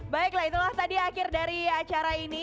baiklah itulah tadi akhir dari acara ini